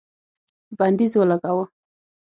بندیز ولګاوه